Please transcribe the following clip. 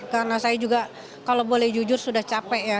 karena saya juga kalau boleh jujur sudah capek ya